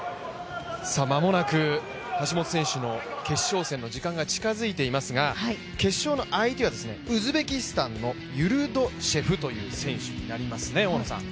間もなく橋本選手の決勝戦の時間が近づいていますが決勝の相手はウズベキスタンの選手になります。